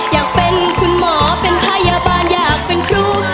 อยากเป็นคุณหมอเป็นพยาบาลอยากเป็นครู